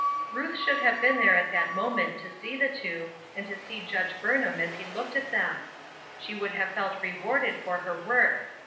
Ruth should have been there at that moment to see the two, and to see Judge Burnham as he looked at them. She would have felt rewarded for her work.